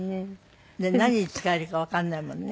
何に使えるかわからないもんね。